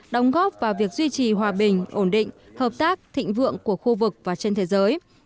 đóng góp vào việc duy trì hòa bình ổn định hợp tác thịnh vượng của khu vực và trên thế giới